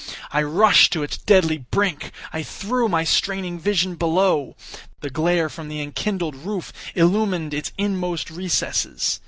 I rushed to its deadly brink. I threw my straining vision below. The glare from the enkindled roof illumined its inmost recesses.